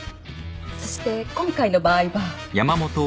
そして今回の場合は。